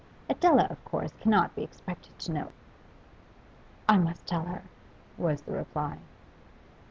Adela, of course, cannot be expected to know.' 'I must tell her,' was the reply.